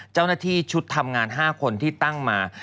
เจ้าหน้าที่ชุดทำงาน๕คนที่ตั้งมา